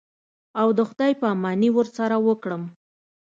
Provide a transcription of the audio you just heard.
او د خداى پاماني ورسره وکړم.